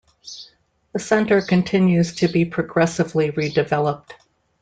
The centre continues to be progressively redeveloped.